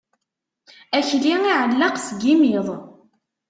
Akli iɛelleq seg imiḍ.